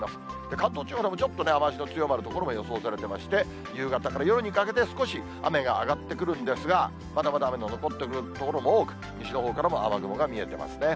関東地方でもちょっと雨足の強まる所も予想されてまして、夕方から夜にかけて、少し雨が上がってくるんですが、まだまだ雨が残っている所も多く、西のほうからも雨雲が見えてますね。